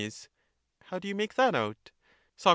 How do you make that out? Soc.